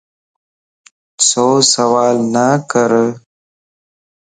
سو سوالَ نه ڪر